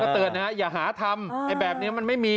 ก็เตือนอย่าหาธรรมแบบนี้มันไม่มี